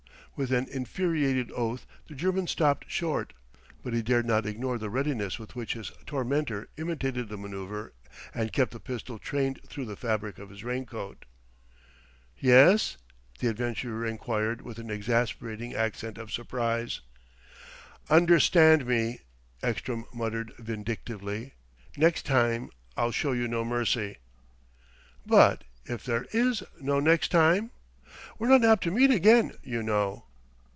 With an infuriated oath the German stopped short: but he dared not ignore the readiness with which his tormentor imitated the manoeuvre and kept the pistol trained through the fabric of his raincoat. "Yes ?" the adventurer enquired with an exasperating accent of surprise. "Understand me," Ekstrom muttered vindictively: "next time I'll show you no mercy " "But if there is no next time? We're not apt to meet again, you know."